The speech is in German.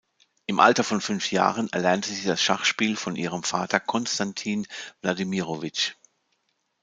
Im Alter von fünf Jahren erlernte sie das Schachspiel von ihrem Vater Konstantin Wladimirowitsch.